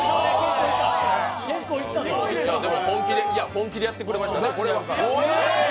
本気でやってくれましたね。